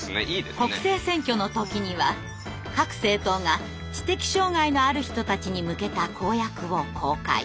国政選挙の時には各政党が知的障害のある人たちに向けた公約を公開。